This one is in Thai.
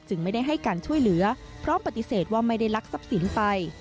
ไม่ได้ให้การช่วยเหลือพร้อมปฏิเสธว่าไม่ได้ลักทรัพย์สินไป